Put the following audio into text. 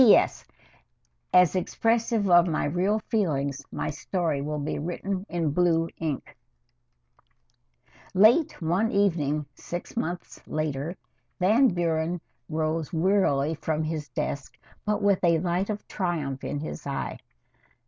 P. S. As expressive of my real feelings, my story will be written in blue ink. II Late one evening, six months later, Van Buren rose wearily from his desk, but with a light of triumph in his eye.